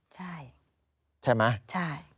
ใช่ใช่ไหมใช่